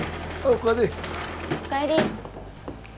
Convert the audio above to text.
お帰り。